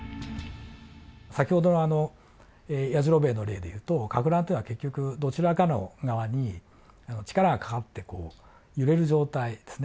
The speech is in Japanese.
先ほどのやじろべえの例でいうとかく乱ってのは結局どちらかの側に力がかかってこう揺れる状態ですね。